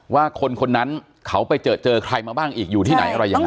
ว่าคนคนนั้นเขาไปเจอเจอใครมาบ้างอีกอยู่ที่ไหนอะไรยังไง